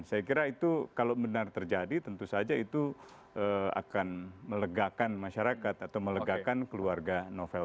saya kira itu kalau benar terjadi tentu saja itu akan melegakan masyarakat atau melegakan keluarga novel